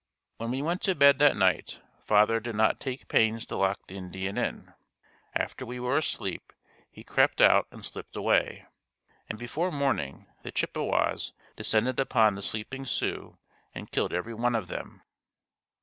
When we went to bed that night father did not take pains to lock the Indian in. After we were asleep he crept out and slipped away, and before morning, the Chippewas descended upon the sleeping Sioux and killed every one of them.